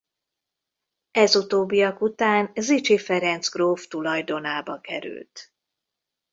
Ez utóbbiak után Zichy Ferencz gróf tulajdonába került.